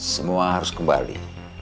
semua harus kembali